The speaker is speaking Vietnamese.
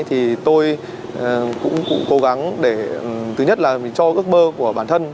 thì tôi cũng cố gắng để thứ nhất là mình cho ước mơ của bản thân